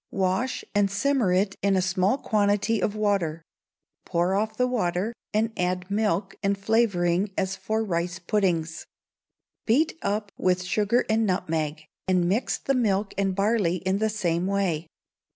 Wash, and simmer it in a small quantity of water; pour off the water, and add milk and flavouring as for rice puddings. Beat up with sugar and nutmeg, and mix the milk and barley in the same way.